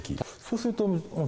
そうするとＧＭ